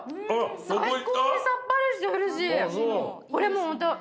最高にさっぱりしてヘルシー。